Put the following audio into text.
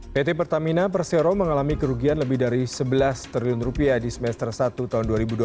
pt pertamina persero mengalami kerugian lebih dari sebelas triliun di semester satu tahun dua ribu dua puluh